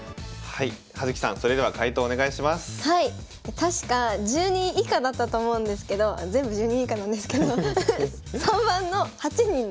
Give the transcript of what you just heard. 確か１０人以下だったと思うんですけど全部１０人以下なんですけど３番の８人で。